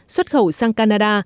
xuất khẩu sang canada